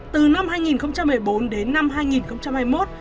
từ năm hai nghìn một mươi bốn đến năm hai nghìn hai mươi một